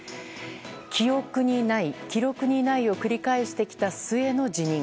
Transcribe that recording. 記憶にない、記録にないを繰り返してきた末の辞任。